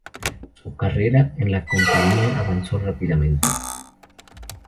Su carrera en la Compañía avanzó rápidamente.